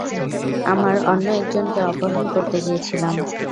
আমরা অন্য একজনকে অপহরণ করতে গিয়েছিলাম।